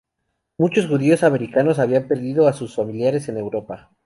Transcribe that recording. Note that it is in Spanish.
Muchos judíos americanos habían perdido a sus familiares en Europa.